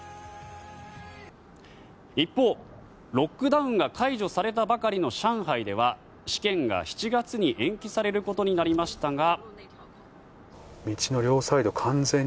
一方、ロックダウンが解除されたばかりの上海では試験が７月に延期されることになりましたが。